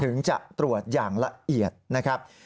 ถึงจะตรวจอย่างละเอียดนะครับ